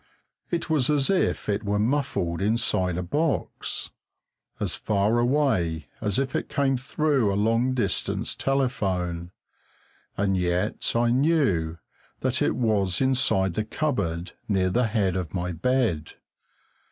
It was as if it were muffled inside a box, as far away as if it came through a long distance telephone; and yet I knew that it was inside the cupboard near the head of my bed.